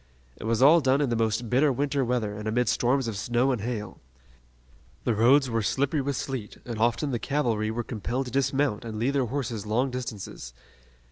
It was all done in the most bitter winter weather and amid storms of snow and hail. The roads were slippery with sleet, and often the cavalry were compelled to dismount and lead their horses long distances.